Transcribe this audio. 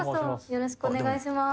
よろしくお願いします。